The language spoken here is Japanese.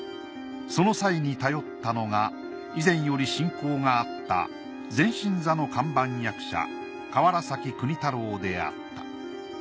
その際に頼ったのが以前より親交があった前進座の看板役者河原崎国太郎であった。